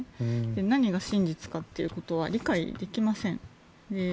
何が真実かというのは理解できません。